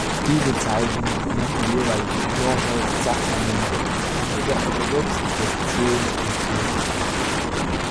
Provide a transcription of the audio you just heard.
Diese Zeichen nennt die jeweilige Kirche "Sakramente" oder in der orthodoxen Tradition "Mysterien".